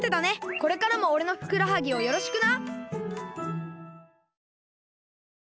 これからもおれのふくらはぎをよろしくな！